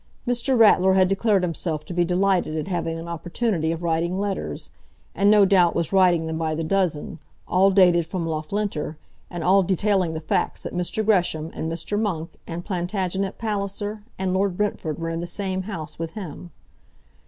Mr. Ratler had declared himself to be delighted at having an opportunity of writing letters, and no doubt was writing them by the dozen, all dated from Loughlinter, and all detailing the facts that Mr. Gresham, and Mr. Monk, and Plantagenet Palliser, and Lord Brentford were in the same house with him.